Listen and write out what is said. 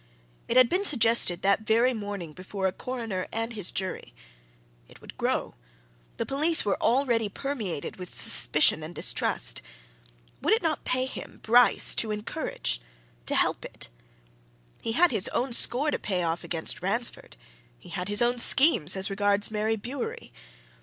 It had been suggested that very morning before a coroner and his jury; it would grow; the police were already permeated with suspicion and distrust. Would it not pay him, Bryce, to encourage, to help it? He had his own score to pay off against Ransford; he had his own schemes as regards Mary Bewery.